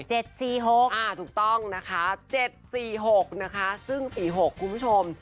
เจ็ดสี่หกอ่าถูกต้องนะคะเจ็ดสี่หกนะคะซึ่งสี่หกคุณผู้ชม